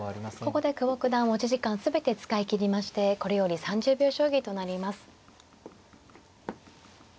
ここで久保九段持ち時間全て使い切りましてこれより３０秒将棋となります。